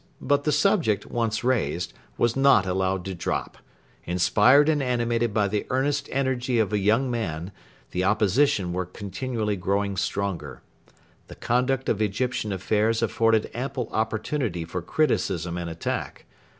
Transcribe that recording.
But the subject, Once raised, was not allowed to drop. Inspired and animated by the earnest energy of a young man, the Opposition were continually growing stronger. The conduct of Egyptian affairs afforded ample opportunity for criticism and attack.